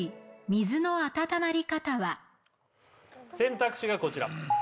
選択肢がこちら